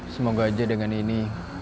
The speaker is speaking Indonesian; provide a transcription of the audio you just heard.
semoga aja dengan ini